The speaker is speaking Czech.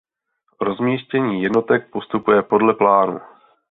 Rozmístění jednotek postupuje podle plánu.